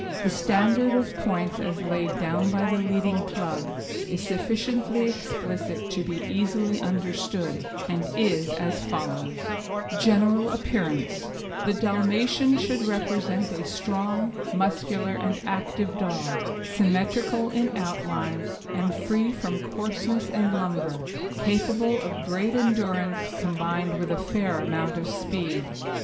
The standard of points as laid down by the leading club is sufficiently explicit to be easily understood, and is as follows: GENERAL APPEARANCE The Dalmatian should represent a strong, muscular, and active dog, symmetrical in outline, and free from coarseness and lumber, capable of great endurance combined with a fair amount of speed.